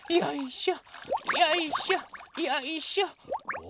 よいしょ！